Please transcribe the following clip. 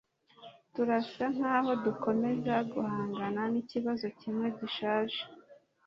Turasa nkaho dukomeza guhangana nikibazo kimwe gishaje